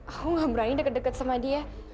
aku gak berani deket deket sama dia